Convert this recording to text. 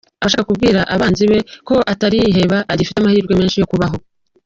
Aba ashaka kubwira abanzi be ko atariheba, agifite amahirwe menshi yo kubaho.